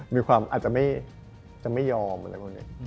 มีความอาจจะไม่ยอมอะไรพวกนี้